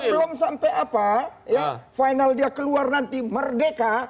sebelum sampai apa final dia keluar nanti merdeka